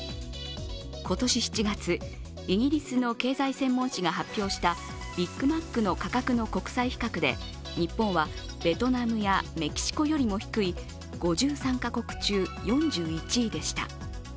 今年７月、イギリスの経済専門紙が発表したビッグマックの価格の国際比較で日本はベトナムやメキシコよりも低い５３か国中４１位でした。